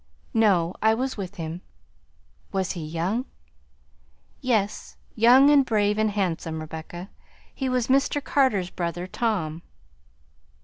"No, I was with him." "Was he young?" "Yes; young and brave and handsome, Rebecca; he was Mr. Carter's brother Tom."